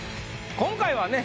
今回はね。